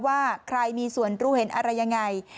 ว่าใครมีส่วนรู้เห็นอะไรยังไง